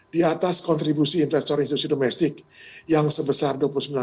di atas kontribusi investor institusi domestik yang sebesar dua puluh sembilan